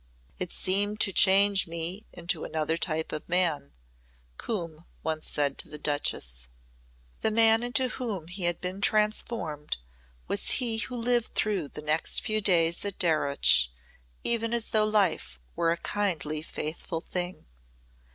"It seemed to change me into another type of man," Coombe once said to the Duchess. The man into whom he had been transformed was he who lived through the next few days at Darreuch even as though life were a kindly faithful thing.